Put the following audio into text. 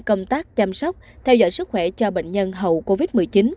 công tác chăm sóc theo dõi sức khỏe cho bệnh nhân hậu covid một mươi chín